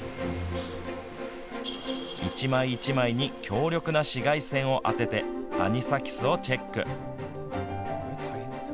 １枚１枚に強力な紫外線を当ててアニサキスをチェック。